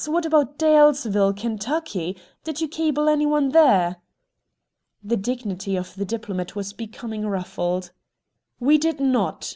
What about Dalesville, Kentucky? Did you cable any one there?" The dignity of the diplomat was becoming ruffled. "We did not!"